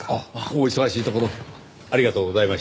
お忙しいところありがとうございました。